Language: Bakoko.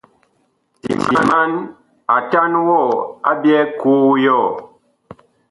Timan atan wɔ a byɛɛ koo yɔɔ.